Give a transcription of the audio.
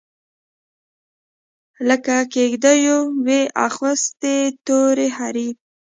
لکه کیږدېو وي اغوستي تور حریر